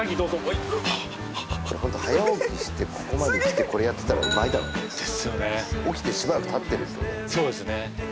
すげえホント早起きしてここまで来てこれやってたらうまいだろうねですよね起きてしばらくたってるそうですね